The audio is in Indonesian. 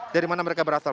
dari mana mereka berasal